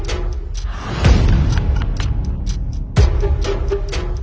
อ้าวสาธุ